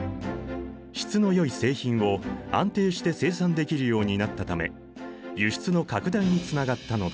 質のよい製品を安定して生産できるようになったため輸出の拡大につながったのだ。